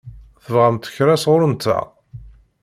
Tebɣamt kra sɣur-nteɣ?